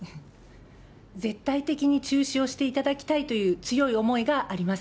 絶対的に中止をしていただきたいという、強い思いがあります。